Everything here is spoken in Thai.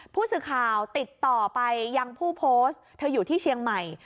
ผู้สื่อข่าวติดต่อไปยังผู้โพสต์เธออยู่ที่เชียงใหม่